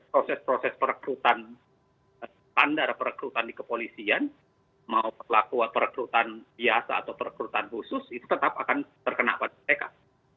proses proses perekrutan standar perekrutan di kepolisian mau perlakuan perekrutan biasa atau perekrutan khusus itu tetap akan terkena pada mereka